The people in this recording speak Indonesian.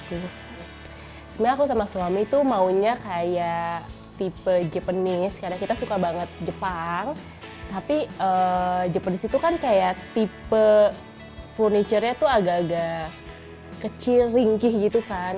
sebenarnya aku sama suami tuh maunya kayak tipe japanese karena kita suka banget jepang tapi japanese itu kan kayak tipe furniture nya tuh agak agak kecil ringkih gitu kan